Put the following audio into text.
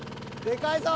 でかいぞ。